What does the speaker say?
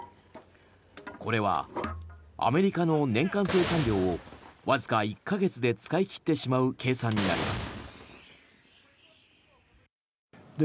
これはアメリカの年間生産量をわずか１か月で使い切ってしまう計算になります。